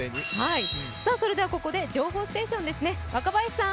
それではここで情報ステーションです。